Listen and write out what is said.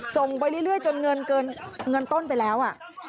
ส่งไปเรื่อยจนเงินเกินเงินต้นไปแล้ว